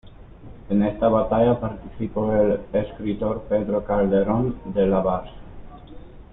En esta batalla participó el escritor Pedro Calderón de la Barca.